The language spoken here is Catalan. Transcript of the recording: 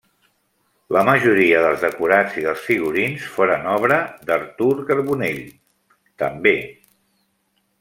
La majoria dels decorats i dels figurins foren obra d'Artur Carbonell, també.